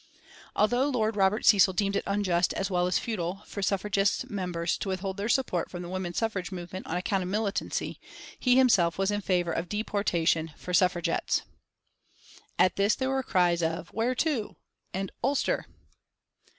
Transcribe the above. Although Lord Robert Cecil deemed it unjust as well as futile for Suffragist Members to withhold their support from the woman suffrage movement on account of militancy he himself was in favor of deportation for Suffragettes. At this there were cries of "Where to?" and "Ulster!"